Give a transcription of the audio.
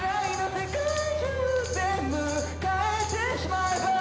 「世界中全部変えてしまえば」